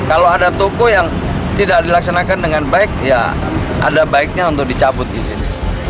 kalau ada toko yang tidak dilaksanakan dengan baik ya ada baiknya untuk dicabut di sini